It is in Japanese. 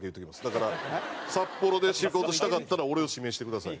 だから札幌で仕事したかったら俺を指名してください。